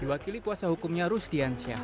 diwakili puasa hukumnya rusdiansyah